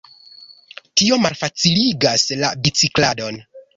Tio malfaciligas la bicikladon.